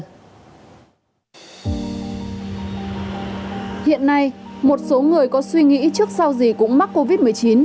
hiện nay một số người có suy nghĩ trước sau gì cũng mắc covid một mươi chín